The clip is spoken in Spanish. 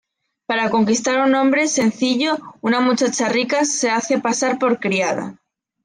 Para conquistar a un hombre sencillo una muchacha rica se hace pasar por criada.